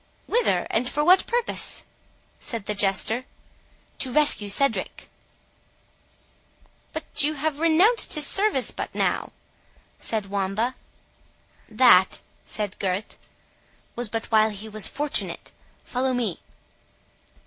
"Whither?—and for what purpose?" said the Jester. "To rescue Cedric." "But you have renounced his service but now," said Wamba. "That," said Gurth, "was but while he was fortunate—follow me!"